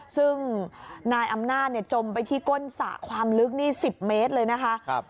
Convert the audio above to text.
ซึ่งนายอำนาจจมไปที่ก้นสระความลึกนี่๑๐เมตรเลยนะคะ